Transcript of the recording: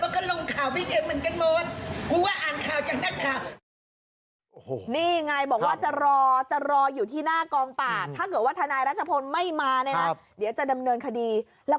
เพราะก็ลงข่าวพิเศษเหมือนกันหมด